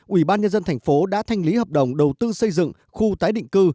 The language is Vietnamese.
ủy ban nhân dân tp đã thanh lý hợp đồng đầu tư xây dựng khu tái định cư